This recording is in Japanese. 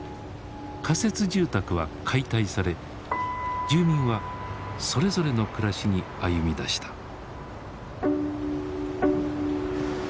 仮設住宅は解体され住民はそれぞれの暮らしに歩みだした。